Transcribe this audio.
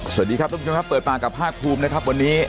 สวัสดีครับทุกผู้ชมครับเปิดปากกับภาคภูมินะครับวันนี้